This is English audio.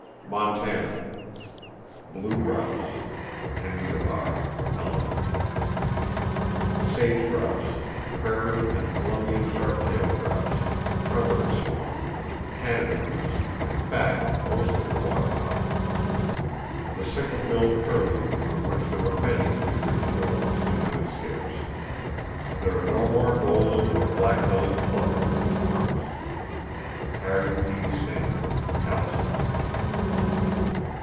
Montana: Blue grouse.—(Henry Avare, Helena.) Sage grouse, prairie and Columbian sharp tailed grouse, trumpeter swan, Canada goose, in fact, most of the water fowl. The sickle billed curlew, of which there were many a few years ago, is becoming scarce. There are no more golden or black bellied plover in these parts.—(Harry P. Stanford, Kalispell.)